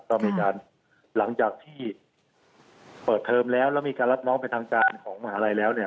ก็มีการหลังจากที่เปิดเทอมแล้วแล้วมีการรับน้องไปทางการของมหาลัยแล้วเนี่ย